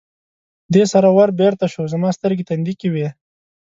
دې سره ور بېرته شو، زما سترګې تندې کې وې.